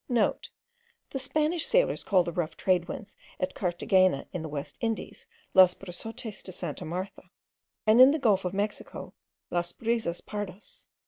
*(* The Spanish sailors call the rough trade winds at Carthagena in the West Indies los brisotes de Santa Martha; and in the Gulf of Mexico, las brizas pardas.